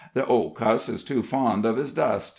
"The old cuss is too fond uv his dust.